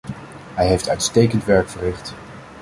Hij heeft uitstekend werk verricht.